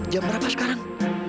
jam berapa sekarang